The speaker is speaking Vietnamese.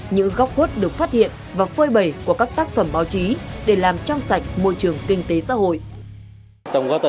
những góc hốt được phát hiện và phơi bầy của các tác phẩm báo chí để làm trong sạch môi trường kinh tế xã hội